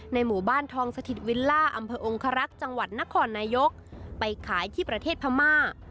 หมู่บ้านทองสถิตวิลล่าอำเภอองครักษ์จังหวัดนครนายกไปขายที่ประเทศพม่า